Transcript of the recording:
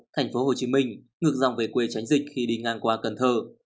thành phố hồ chí minh ngược dòng về quê tránh dịch khi đi ngang qua cần thơ